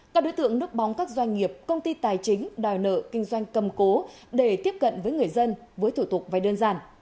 các đối tượng núp bóng các doanh nghiệp công ty tài chính đòi nợ kinh doanh cầm cố để tiếp cận với người dân với thủ tục vay đơn giản